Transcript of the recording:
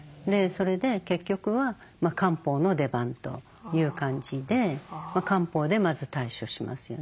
それで結局は漢方の出番という感じで漢方でまず対処しますよね。